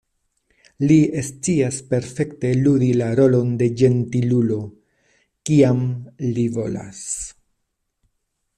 Li scias perfekte ludi la rolon de ĝentilulo, kiam li volas.